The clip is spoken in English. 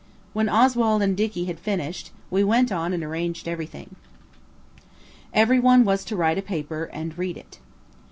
When Oswald and Dicky had finished, we went on and arranged everything. Every one was to write a paper–and read it.